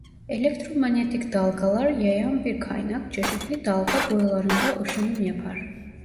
Elektromanyetik dalgalar yayan bir kaynak çeşitli dalga boylarında ışınım yapar.